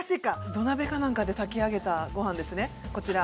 土鍋かなんかで炊き上げたご飯ですねこちら。